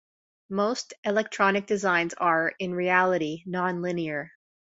Most electronic designs are, in reality, non-linear.